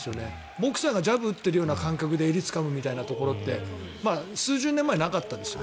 ボクサーがジャブを打っているような感覚で襟をつかむみたいなところで数十年前はなかったですよ